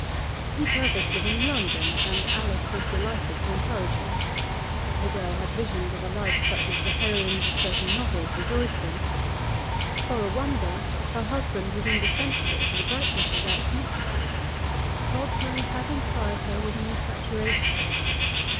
He purposed living in London, and Alice was delighted to encourage him. The girl had visions of a life such as the heroines of certain novels rejoice in. For a wonder, her husband was indispensable to the brightness of that future. Rodman had inspired her with an infatuation.